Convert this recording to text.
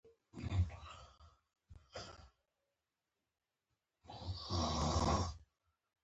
په پرمختګ کې ګډوډي وي، خو په شاتګ کې خبره بل ډول وه.